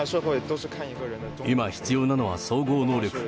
今必要なのは総合能力。